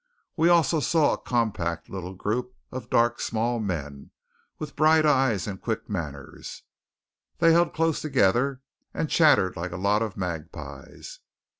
We saw also a compact little group of dark small men, with bright eyes and quick manners. They held close together and chattered like a lot of magpies.